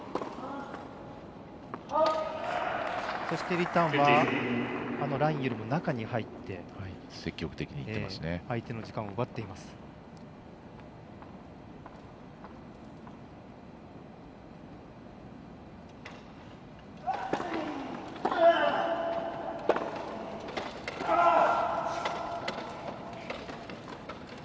リターンはラインよりも中に入って相手の時間を奪っています。